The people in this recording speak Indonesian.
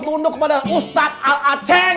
tunduk kepada ustadz al aceh